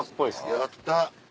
やった。